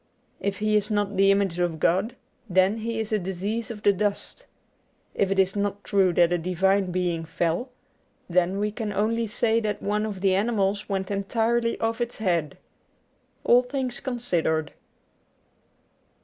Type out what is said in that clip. If he is not the image of God, then he is a disease of the dust. If it is not true that a divine being fell, then we can only say that one of the animals went entirely off its head. ^All Things Considered.